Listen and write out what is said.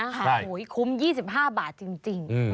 โอ้โหคุ้ม๒๕บาทจริง